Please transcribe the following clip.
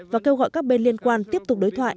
và kêu gọi các bên liên quan tiếp tục đối thoại